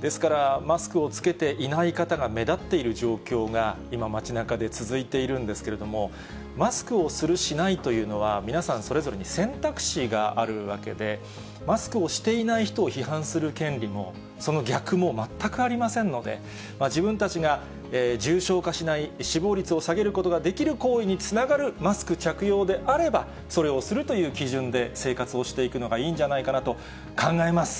ですから、マスクを着けていない方が目立っている状況が、今、街なかで続いているんですけれども、マスクをする、しないというのは、皆さん、それぞれに選択肢があるわけで、マスクをしていない人を批判する権利も、その逆も、全くありませんので、自分たちが重症化しない、死亡率を下げることができる行為につながるマスク着用であれば、それをするという基準で生活をしていくのがいいんじゃないかなと考えます。